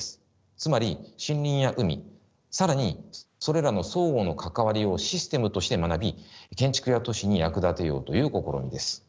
つまり森林や海更にそれらの相互の関わりをシステムとして学び建築や都市に役立てようという試みです。